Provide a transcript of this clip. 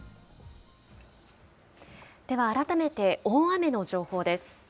では改めて大雨の情報です。